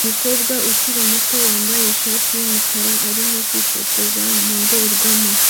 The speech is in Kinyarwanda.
Umukobwa ukiri muto wambaye ishati yumukara arimo kwifotoza mu ndorerwamo